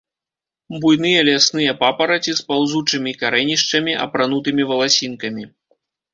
Буйныя лясныя папараці з паўзучымі карэнішчамі, апранутымі валасінкамі.